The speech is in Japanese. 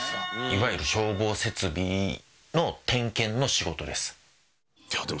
いわゆる消防設備の点検の仕事です。